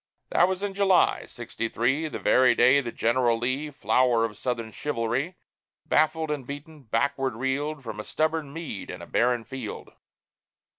That was in July, sixty three, The very day that General Lee, Flower of Southern chivalry, Baffled and beaten, backward reeled From a stubborn Meade and a barren field.